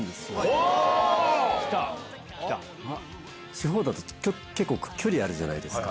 地方だと結構距離あるじゃないですか。